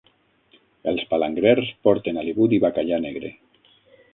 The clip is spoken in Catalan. Els palangrers porten halibut i bacallà negre.